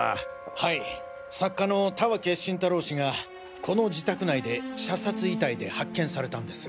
はい作家の田分晋太郎氏がこの自宅内で射殺遺体で発見されたんです。